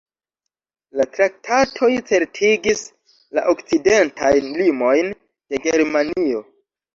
La traktatoj certigis la okcidentajn limojn de Germanio.